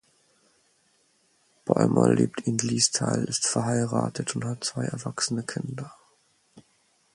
Ballmer lebt in Liestal, ist verheiratet und hat zwei erwachsene Kinder.